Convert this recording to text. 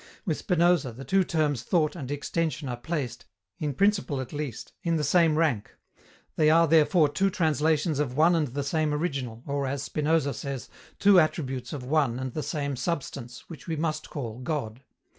With Spinoza, the two terms Thought and Extension are placed, in principle at least, in the same rank. They are, therefore, two translations of one and the same original, or, as Spinoza says, two attributes of one and the same substance, which we must call God.